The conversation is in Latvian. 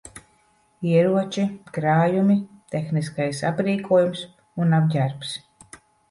Ieroči, krājumi, tehniskais aprīkojums un apģērbs.